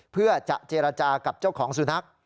เพื่อจะเจรจากับเจ้าของสุนัข